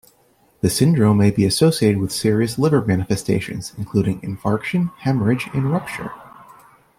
The syndrome may be associated with serious liver manifestations, including infarction, hemorrhage, and rupture.